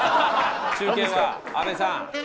中継は阿部さん。